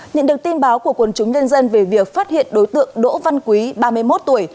nhận được tin báo của quần chúng nhân dân về việc phát hiện đối tượng đỗ văn quý ba mươi một tuổi